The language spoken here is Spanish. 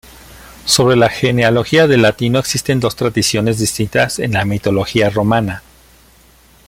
Sobre la genealogía de Latino existen dos tradiciones distintas en la mitología romana.